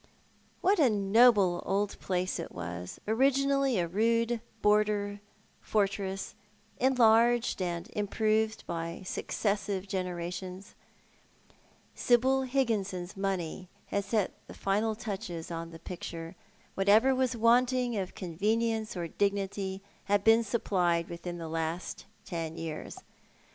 ^Vhat a noble old jilace it was— originally a rude border fortress, enlarged and improved by successive generations. Sibyl lligginsou's money had set the final touches on the picture. Whatever was wanting of couvenieuce or dignity had been supplied witliiu the last ten years.